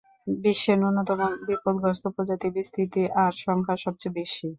বিশ্বে ন্যূনতম বিপদগ্রস্ত প্রজাতির বিস্তৃতি আর সংখ্যা সবচেয়ে বেশি।